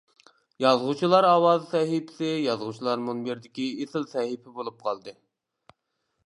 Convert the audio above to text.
«يازغۇچىلار ئاۋازى» سەھىپىسى يازغۇچىلار مۇنبىرىدىكى ئېسىل سەھىپە بولۇپ قالدى.